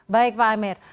baik pak amir